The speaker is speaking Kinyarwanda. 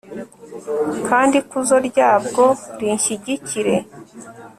kandi ikuzo ryabwo rinshyigikire